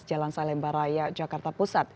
jalan salem baraya jakarta pusat